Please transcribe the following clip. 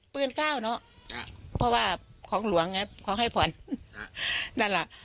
ปืนก้าวเนอะเพราะว่าของหลวงไงของให้ผ่อนนั่นแหละ